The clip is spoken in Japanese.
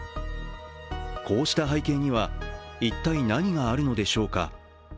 こうした背景には一体何があるのでしょうか。